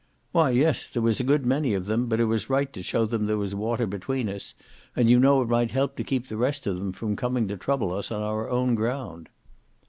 "Why, yes, there was a good many of them; but it was right to show them there was water between us, and you know it might help to keep the rest of them from coming to trouble us on our own ground."